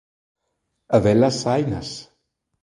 Habelas, hainas